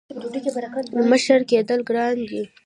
• مشر کېدل ګران دي.